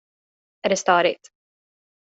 Är det störigt?